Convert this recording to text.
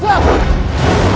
biarkan aku yang menghadapi dia